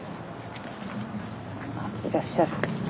あっいらっしゃる。